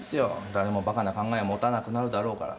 誰もばかな考え持たなくなるだろうから。